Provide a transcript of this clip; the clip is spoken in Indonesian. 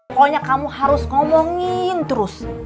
pokoknya kamu harus ngomongin terus